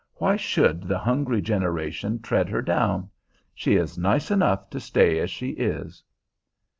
Why should the "hungry generations" tread her down? She is nice enough to stay as she is.